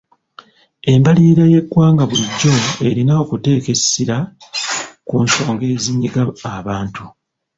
Embalirira y'eggwanga bulijjo erina okuteeka essira ku nsonga ezinyiga abantu.